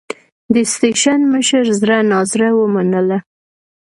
د سټېشن مشر زړه نازړه ومنله.